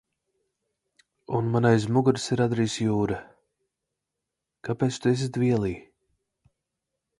Un man aiz muguras ir Adrijas jūra. Kāpēc tu esi dvielī?